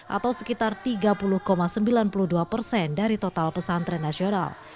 atau sekitar tiga puluh sembilan puluh dua persen dari total pesantren nasional